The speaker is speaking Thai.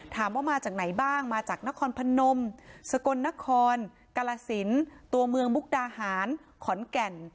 มาจากไหนบ้างมาจากนครพนมสกลนครกาลสินตัวเมืองมุกดาหารขอนแก่น